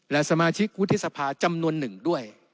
และสมาชิกวุฒิสภาจำนวนหนึ่งด้วย